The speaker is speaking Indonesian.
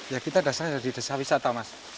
ya kita dasarnya dari desa wisata mas